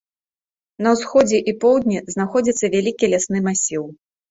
На ўсходзе і поўдні знаходзіцца вялікі лясны масіў.